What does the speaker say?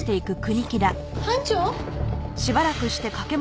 班長？